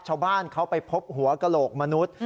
ชาวบ้านเขาไปพบหัวกระโหลกมนุษย์